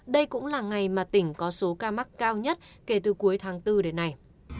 đây cũng là ngày mà tỉnh có số ca mắc cao nhất kể từ cuối tháng bốn đến nay